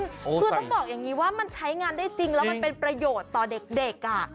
คือต้องบอกอย่างนี้ว่ามันใช้งานได้จริงแล้วมันเป็นประโยชน์ต่อเด็ก